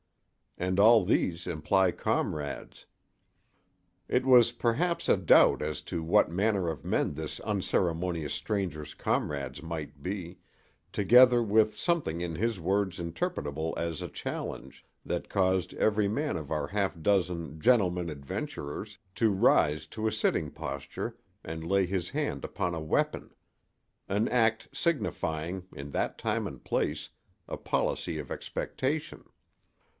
And all these imply comrades. It was perhaps a doubt as to what manner of men this unceremonious stranger's comrades might be, together with something in his words interpretable as a challenge, that caused every man of our half dozen "gentlemen adventurers" to rise to a sitting posture and lay his hand upon a weapon—an act signifying, in that time and place, a policy of expectation.